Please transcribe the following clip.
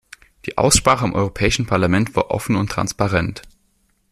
Die Aussprache im Europäischen Parlament war offen und transparent.